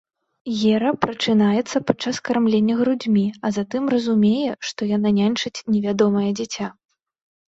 Гера прачынаецца падчас кармлення грудзьмі, а затым разумее, што яна няньчыць невядомае дзіця.